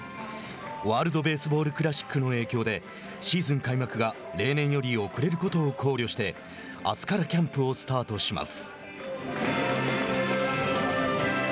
ワールド・ベースボール・クラシックの影響でシーズン開幕が例年より遅れることを考慮してあすからキャンプをスタートします。